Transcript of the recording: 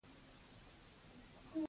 رقیب زما د زړورتیا د څرګندولو وسیله ده